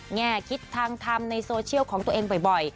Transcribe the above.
แง่คิดทางทำในโซเชียลของตัวเองบ่อย